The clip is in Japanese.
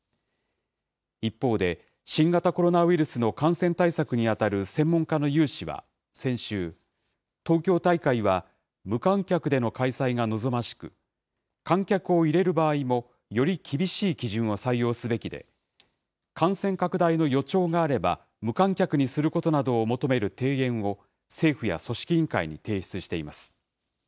一方で、新型コロナウイルスの感染対策に当たる専門家の有志は先週、東京大会は無観客での開催が望ましく、観客を入れる場合も、より厳しい基準を採用すべきで、感染拡大の予兆があれば、無観客にすることなどを求める提言を、政府や組織委員会に提出しています。